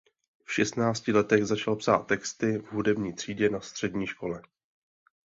V šestnácti letech začal psát texty v hudební třídě na střední škole.